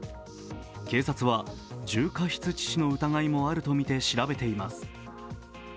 警察は、重過失致死の疑いもあるとみて調べています。